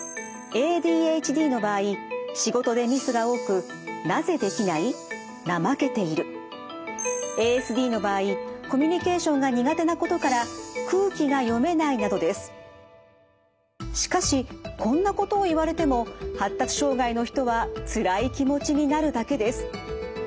ＡＤＨＤの場合仕事でミスが多くＡＳＤの場合コミュニケーションが苦手なことからしかしこんなことを言われても発達障害の人はつらい気持ちになるだけです。